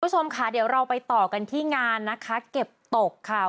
คุณผู้ชมค่ะเดี๋ยวเราไปต่อกันที่งานนะคะเก็บตกค่ะ